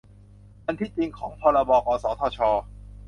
อันที่จริง พรบ กสทช